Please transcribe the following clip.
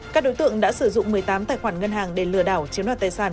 các đối tượng đã sử dụng một mươi tám tài khoản ngân hàng để lừa đảo chiếm đoạt tài sản